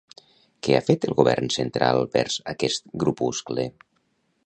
Què ha fet el govern central vers aquest grupuscle?